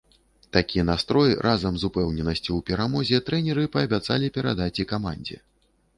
Такі настрой разам з упэўненасцю ў перамозе трэнеры паабяцалі перадаць і камандзе.